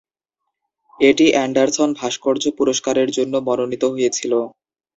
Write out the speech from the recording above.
এটি অ্যান্ডারসন ভাস্কর্য পুরস্কারের জন্য মনোনীত হয়েছিল।